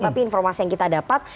tapi informasi yang kita dapat